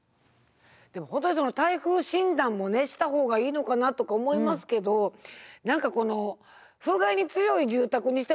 でも本当にその耐風診断もねした方がいいのかなとか思いますけど何かこの風害に強い住宅にしてもお金がかかりそうですから。